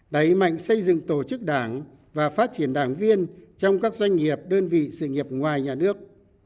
đẩy mạnh xây dựng tổ chức đảng và phát triển đảng viên trong các doanh nghiệp đơn vị sự nghiệp ngoài nhà nước